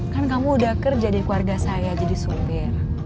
kan kamu udah kerja di keluarga saya jadi sopir